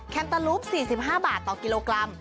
แตลูป๔๕บาทต่อกิโลกรัม